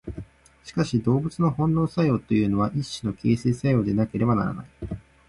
しかし動物の本能作用というのは一種の形成作用でなければならない。